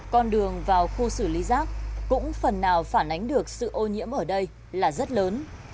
con đường vào khu xử lý rác cũng phần nào phản ánh được sự ô nhiễm ở đây là rất lớn